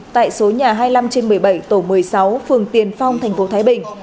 tại số nhà hai mươi năm trên một mươi bảy tổ một mươi sáu phường tiền phong thành phố thái bình